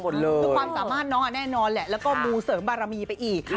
คือความสามารถน้องแน่นอนแหละแล้วก็มูเสริมบารมีไปอีก